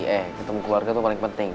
eh ketemu keluarga itu paling penting